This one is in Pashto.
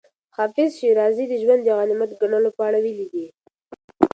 حافظ شېرازي د ژوند د غنیمت ګڼلو په اړه ویلي دي.